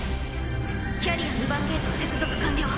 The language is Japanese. キャリア２番ゲート接続完了。